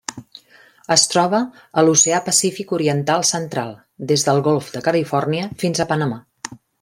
Es troba a l'Oceà Pacífic oriental central: des del Golf de Califòrnia fins a Panamà.